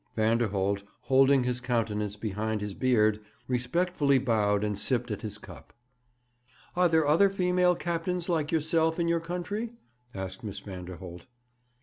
Vanderholt, holding his countenance behind his beard, respectfully bowed and sipped at his cup. 'Are there other female captains like yourself in your country?' asked Miss Vanderholt.